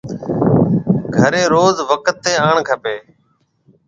گھريَ روز وقت تي آڻ کپيَ۔